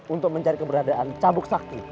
untuk mencari keberadaan cabuk sakti